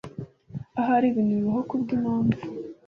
Ahari ibintu bibaho kubwimpamvu.